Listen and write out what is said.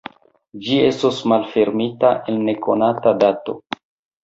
Ĝi estos malfermita en nekonata dato.